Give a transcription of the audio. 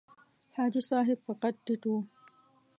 حاجي صاحب په قد ټیټ و.